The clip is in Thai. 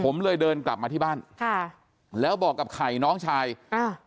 ผมเลยเดินกลับมาที่บ้านค่ะแล้วบอกกับไข่น้องชายอ่า